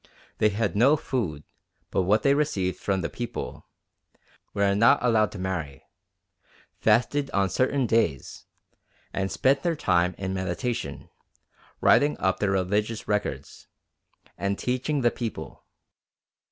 They had no food but what they received from the people; were not allowed to marry; fasted on certain days; and spent their time in meditation, writing up their religious records, and teaching the people.